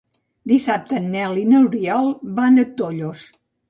Dissabte en Nel i n'Oriol van a Tollos.